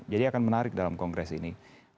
jadi akan menarik dalam kongres ini